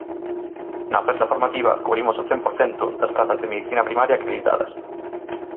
Na oferta formativa cubrimos o cen por cento das prazas de medicina primaria acreditadas.